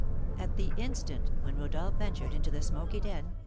At the instant when Rodolph ventured into the smoky den, M.